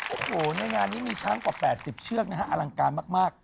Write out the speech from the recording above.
โอ้โหในงานนี้มีช้างกว่า๘๐เชือกนะฮะอลังการมาก